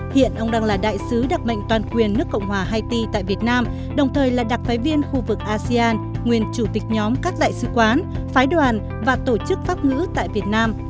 hiện ông đang là đại sứ đặc mệnh toàn quyền nước cộng hòa haiti tại việt nam đồng thời là đặc phái viên khu vực asean nguyên chủ tịch nhóm các đại sứ quán phái đoàn và tổ chức pháp ngữ tại việt nam